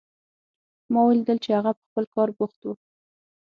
ما ولیدل چې هغه په خپل کار بوخت و